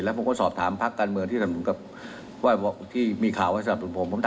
แล้วผมก็สอบถามพักการเมืองที่มีข่าวสำหรับผม